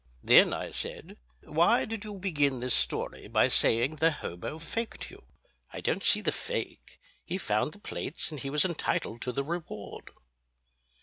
"Then," I said, "why did you begin this story by saying the hobo faked you? I don't see the fake; he found the plates and he was entitled to the reward."